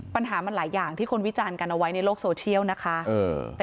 ปัญหามันหลายอย่างที่คนวิจารณ์กันเอาไว้ในโลกโซเชียลนะคะ